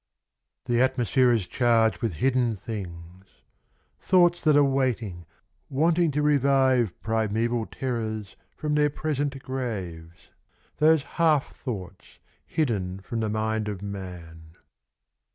THE atmosphere is charged with hidden things — Thoughts that are waiting — wanting to revive Primeval terrors from their present graves — Those half thoughts hidden from the mind of man.